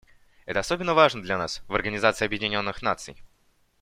Это особенно важно для нас, в Организации Объединенных Наций.